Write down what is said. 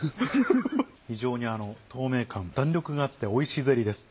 非常に透明感弾力があっておいしいゼリーです。